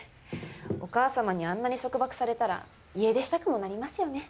お母様にあんなに束縛されたら家出したくもなりますよね。